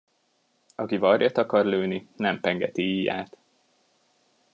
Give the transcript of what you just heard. Aki varjat akar lőni, nem pengeti íját.